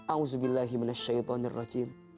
auzubillahimina syaitanir rajim